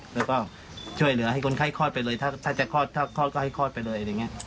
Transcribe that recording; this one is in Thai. แล้วก็ช่วยเหลือให้คนไข้คลอดไปเลยถ้าจะคลอดก็ให้คลอดไปเลย